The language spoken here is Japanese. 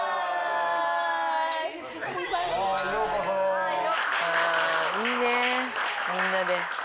あいいねみんなで。